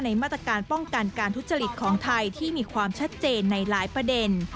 มาตรการป้องกันการทุจริตของไทยที่มีความชัดเจนในหลายประเด็น